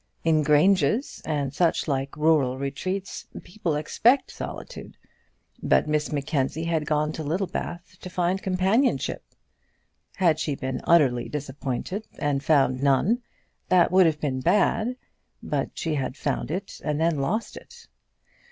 In granges, and such like rural retreats, people expect solitude; but Miss Mackenzie had gone to Littlebath to find companionship. Had she been utterly disappointed, and found none, that would have been bad; but she had found it and then lost it.